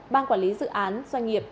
bang quản lý dự án doanh nghiệp